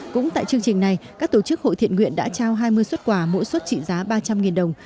cũng tại chương trình này các tổ chức hội thiện nguyện đã trao hai mươi xuất quà mỗi xuất trị giá ba trăm linh đồng